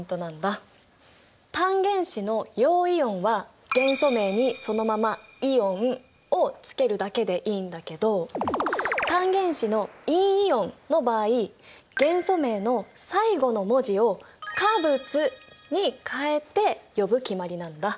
単原子の陽イオンは元素名にそのまま「イオン」をつけるだけでいいんだけど単原子の陰イオンの場合元素名の最後の文字を「化物」に変えて呼ぶ決まりなんだ。